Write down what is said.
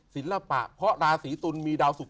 ศิลปะเพราะราศรีตุ๋นมีดาวศุกร์